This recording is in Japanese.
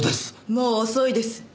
もう遅いです。